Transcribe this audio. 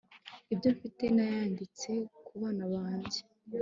ibyo mfite nayanditse kubana bange